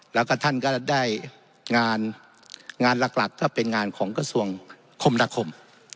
แล้วก็ท่านก็ได้งานงานหลักก็เป็นงานของกระทรวงคมนาคม